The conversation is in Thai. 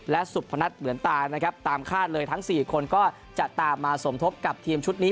และสุพนัทเหมือนตานะครับตามคาดเลยทั้ง๔คนก็จะตามมาสมทบกับทีมชุดนี้